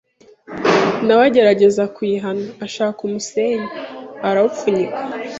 na we agerageza kuyihana Ashaka umusenyi, arawupfunyika